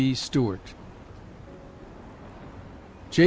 B. STUART _J.